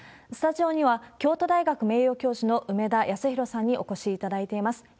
スタジオには、京都大学名誉教授の梅田康弘さんにお越しいただいています。